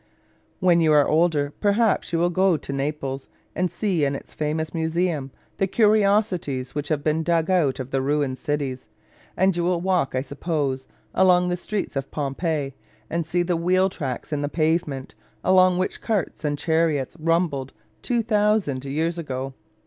When you are older you perhaps will go to Naples, and see in its famous museum the curiosities which have been dug out of the ruined cities; and you will walk, I suppose, along the streets of Pompeii and see the wheel tracks in the pavement, along which carts and chariots rumbled 2000 years ago.